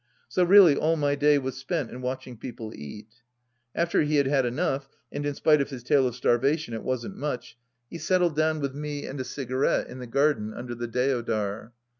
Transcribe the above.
So really all my day was spent in watching people eat. After he had had enough, and in spite of his tale of starvation it wasn't much, he settled down with me and a cigarette THE LAST DITCH 77 in the garden under the deodar.